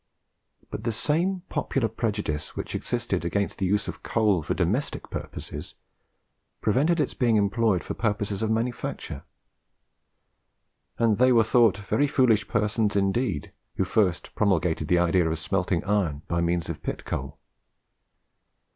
But the same popular prejudice which existed against the use of coal for domestic purposes, prevented its being employed for purposes of manufacture; and they were thought very foolish persons indeed who first promulgated the idea of smelting iron by means of pit coal.